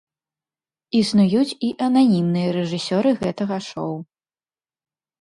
Існуюць і ананімныя рэжысёры гэтага шоў.